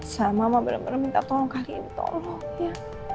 sa mama bener bener minta tolong kali ini tolong ya